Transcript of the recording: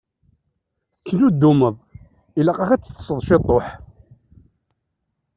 Tettnuddumeḍ, ilaq-ak ad teṭṭseḍ ciṭuḥ.